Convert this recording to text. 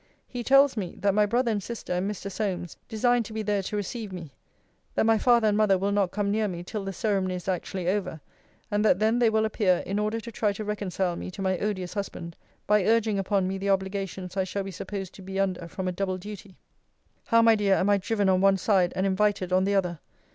He tells me, 'That my brother and sister, and Mr. Solmes, design to be there to receive me: that my father and mother will not come near me till the ceremony is actually over: and that then they will appear, in order to try to reconcile me to my odious husband, by urging upon me the obligations I shall be supposed to be under from a double duty.' How, my dear, am I driven on one side, and invited on the other!